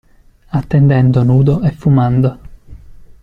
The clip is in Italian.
Attendendo nudo e fumando.